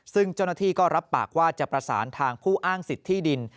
ซึ่งเจ้าหน้าที่ก็รับปากว่าจะประสานทางผู้อ้างสิทธิดิน